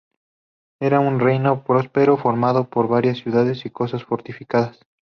Era un reino próspero formado por varias ciudades y casas fortificadas.